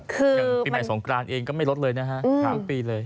คือปีใหม่สงกรานเองก็ไม่ลดเลยนะฮะครั้งปีเลย